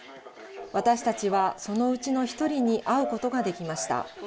私たちはそのうちの１人に会うことができました。